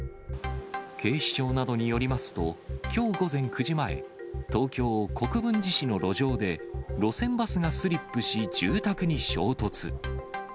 警視庁などによりますと、きょう午前９時前、東京・国分寺市の路上で路線バスがスリップし、住宅に衝突。